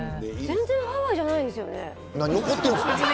全然ハワイじゃないですよね。